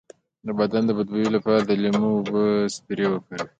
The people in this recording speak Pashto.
د بدن د بد بوی لپاره د لیمو او اوبو سپری وکاروئ